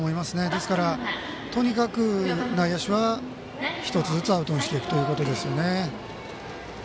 ですから、とにかく内野手は１つずつアウトにしていくということですよね。